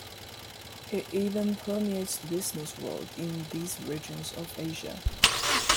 It even permeates the business world in these regions of Asia.